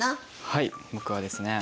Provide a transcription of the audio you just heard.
はい僕はですね